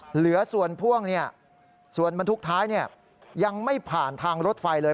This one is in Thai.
เหลือส่วนพ่วงส่วนบรรทุกท้ายยังไม่ผ่านทางรถไฟเลย